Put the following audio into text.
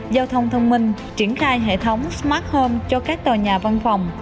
giao thông thông minh triển khai hệ thống smart home cho các tòa nhà văn phòng